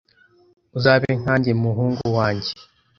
uzabe nkanjye muhungu wanjye